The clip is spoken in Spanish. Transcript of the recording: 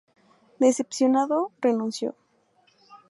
Decepcionado, renunció.